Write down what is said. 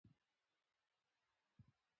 موږ باید دا طریقه خپله کړو.